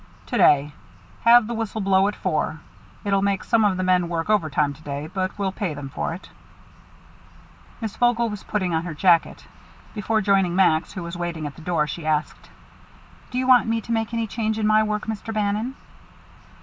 "To day. Have the whistle blow at four. It'll make some of the men work overtime to day, but we'll pay them for it." Miss Vogel was putting on her jacket. Before joining Max, who was waiting at the door, she asked: "Do you want me to make any change in my work, Mr. Bannon?"